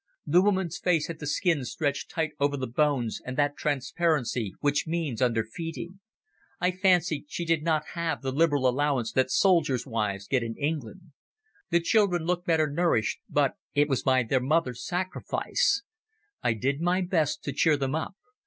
The woman's face had the skin stretched tight over the bones and that transparency which means under feeding; I fancied she did not have the liberal allowance that soldiers' wives get in England. The children looked better nourished, but it was by their mother's sacrifice. I did my best to cheer them up.